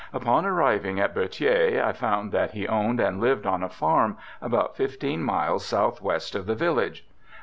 Upon arriving at Berthier I found that he owned and lived on a farm about fifteen miles south west of the village.'